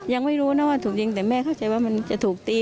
ยังไม่รู้นะว่าถูกยิงแต่แม่เข้าใจว่ามันจะถูกตี